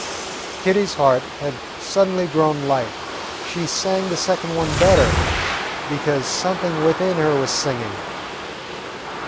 Kitty's heart had suddenly grown light. She sang the second one better because something within her was singing.